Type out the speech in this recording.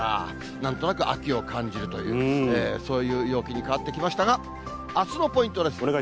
なんとなく秋を感じるという、そういう陽気に変わってきましたが、あすのポイントです。